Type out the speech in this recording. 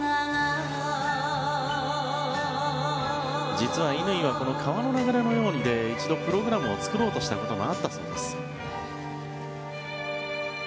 実は乾は「川の流れのように」で一度プログラムを作ろうとしたこともあったそうです。